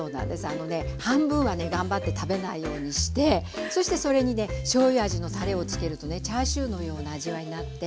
あのね半分は頑張って食べないようにしてそしてそれにねしょうゆ味のたれをつけるとねチャーシューのような味わいになって。